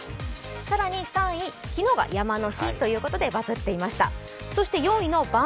更に３位、昨日が山の日ということでバズっていました。